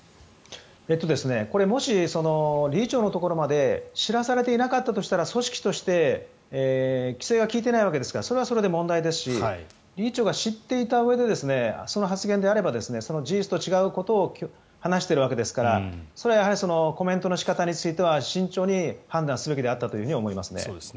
これ、もし理事長のところまで知らされていなかったとしたら組織として規制が利いていないわけですからそれはそれで問題ですし理事長が知っていたうえでその発言であれば事実と違うことを話しているわけですからそれはコメントの仕方については慎重に判断すべきであったと思いますね。